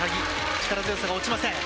力強さが落ちません。